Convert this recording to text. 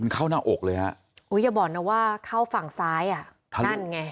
เข้าหน้าอกเลยฮะอย่าบอกนะว่าเข้าฝั่งซ้ายอ่ะ